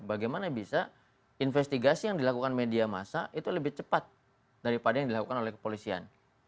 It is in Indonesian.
bagaimana bisa investigasi yang dilakukan media masa itu lebih cepat daripada yang dilakukan oleh kepolisian